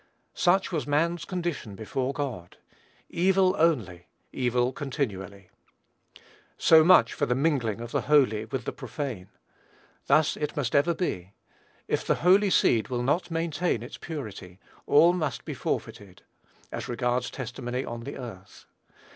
Such was man's condition before God, "evil only" "evil continually." So much for the mingling of the holy with the profane. Thus it must ever be. If the holy seed will not maintain its purity, all must be forfeited, as regards testimony on the earth.